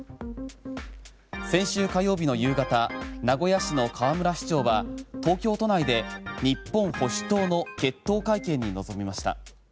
先週火曜日の夕方名古屋市の河村市長は東京都内で日本保守党の結党会見に臨みました。